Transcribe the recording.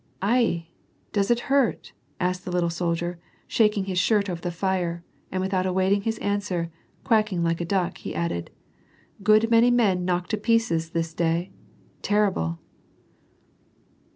"At! does it hurt ?" asked the little soldier, shaking his shirt over the fire, and without awaiting his answer, quacking like a duck, he added :" Good many men knocked to pieces this day ! terrible